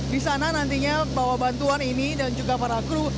di sana nantinya bawa bantuan ini dan juga para kru